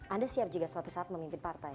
anda siap juga suatu saat memimpin partai